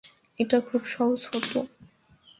এটা খুব সহজ হত।